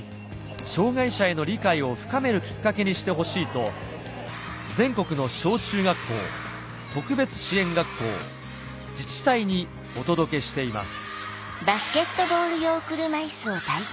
障がい者への理解を深めるきっかけにしてほしいと全国の小・中学校特別支援学校自治体にお届けしています